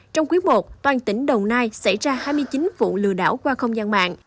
trong quý i toàn tỉnh đồng nai xảy ra hai mươi chín vụ lừa đảo qua không gian mạng